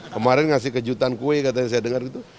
kemarin ngasih kejutan kue katanya saya dengar gitu